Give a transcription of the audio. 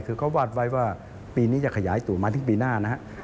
คือเขาวาดไว้ว่าปีนี้จะขยายตัวมาถึงปีหน้านะครับ